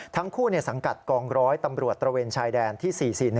ทั้งคู่สังกัดกองร้อยตำรวจตระเวนชายแดนที่๔๔๑